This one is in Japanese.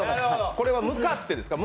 これは向かってですか？